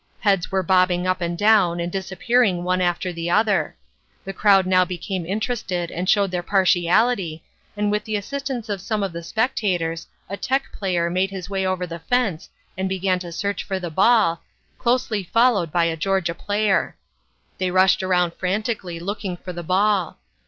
Heads were bobbing up and down and disappearing one after the other. The crowd now became interested and showed their partiality, and with the assistance of some of the spectators a Tech player made his way over the fence and began his search for the ball, closely followed by a Georgia player. They rushed around frantically looking for the ball.